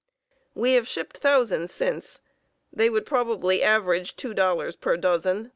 We have shipped thousands since. They would probably average $2 per dozen.